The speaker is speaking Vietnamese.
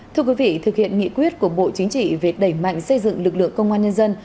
thưa quý vị thực hiện nghị quyết của bộ chính trị về đẩy mạnh xây dựng lực lượng công an nhân dân